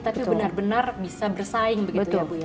tapi benar benar bisa bersaing begitu ya bu ya